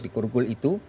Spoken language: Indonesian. di kurungkul itu